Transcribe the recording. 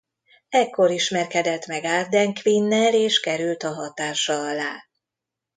Ekkor ismerkedett meg Ardenn Quinnel és került a hatása alá.